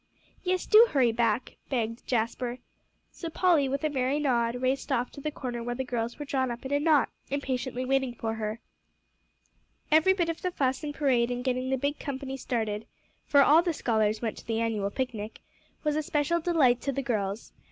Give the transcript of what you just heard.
"Yes; do hurry back," begged Jasper. So Polly, with a merry nod, raced off to the corner where the girls were drawn up in a knot, impatiently waiting for her. Every bit of the fuss and parade in getting the big company started for all the scholars went to the annual picnic was a special delight to the girls.